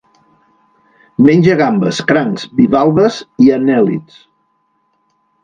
Menja gambes, crancs, bivalves i anèl·lids.